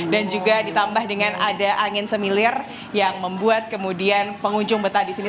juga ditambah dengan ada angin semilir yang membuat kemudian pengunjung betah di sini